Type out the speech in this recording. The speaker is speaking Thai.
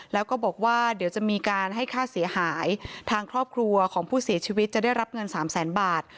แล้วก็บอกว่าเดี๋ยวจะมีการให้ค่าเสียหายทางครอบครัวของผู้เสียชีวิตจะได้รับเงินสามแสนบาท